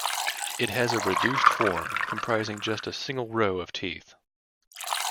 It has a reduced form, comprising just a single row of teeth.